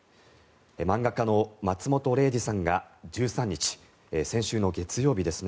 漫画家の松本零士さんが１３日、先週の月曜日ですね